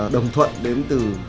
đồng thuận đến từ